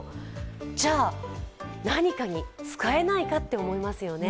じゃあ、何かに使えないかって思いますよね。